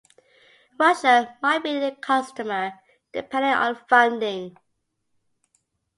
Russia might be a customer, depending on funding.